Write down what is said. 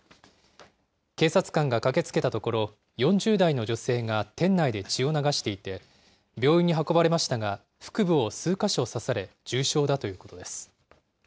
警察官が駆けつけたところ、４０代の女性が店内で血を流していて、病院に運ばれましたが、腹部を数か所刺され、重傷だということです。